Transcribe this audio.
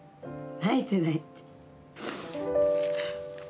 泣いてないって。